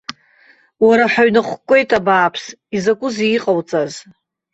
Уара ҳаҩнаҟәыкуеит абааԥсы, изакәызеи иҟауҵаз?